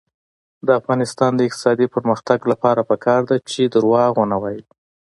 د افغانستان د اقتصادي پرمختګ لپاره پکار ده چې دروغ ونه وایو.